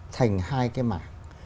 thành hai cái mạng